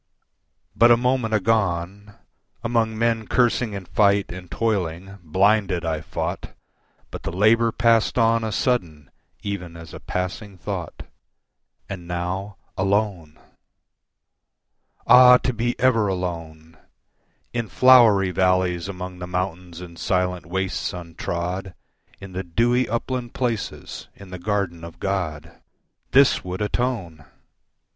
But a moment agone, Among men cursing in fight and toiling, blinded I fought, But the labour passed on a sudden even as a passing thought, And now alone! Ah, to be ever alone, In flowery valleys among the mountains and silent wastes untrod, In the dewy upland places, in the garden of God, This would atone!